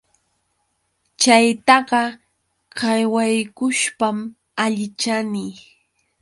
Chaytaqa qawaykushpam allichani.